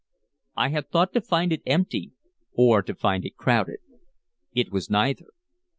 I had thought to find it empty or to find it crowded. It was neither.